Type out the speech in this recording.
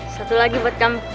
satu lagi buat kamu